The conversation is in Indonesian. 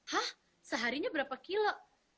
hah seharinya berapa kilo